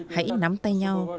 hãy nắm tay nhau